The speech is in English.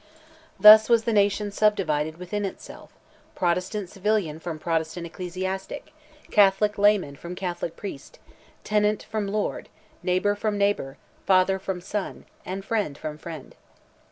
Thus was the nation sub divided within itself; Protestant civilian from Protestant ecclesiastic, Catholic layman from Catholic priest, tenant from lord, neighbour from neighbour, father from son, and friend from friend.